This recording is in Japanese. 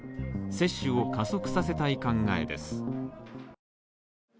接種を加速させたい考えです。